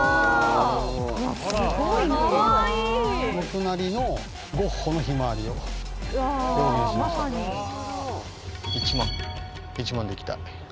僕なりのゴッホのひまわりを表現しました。